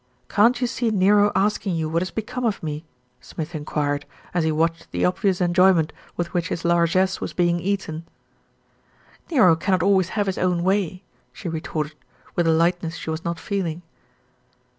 "Can't you see Nero asking you what has become of me?" Smith enquired, as he watched the obvious enjoy ment with which his largesse was being eaten. "Nero cannot always have his own way," she re torted, with a lightness she was not feeling.